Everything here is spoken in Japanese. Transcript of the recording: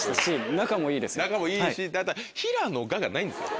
仲もいいしただ「平野が」がないんですよ。